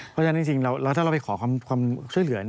เพราะฉะนั้นจริงแล้วถ้าเราไปขอความช่วยเหลือ